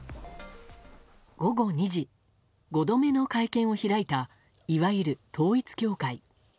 午後２時５度目の会見を開いたいわゆる統一教会。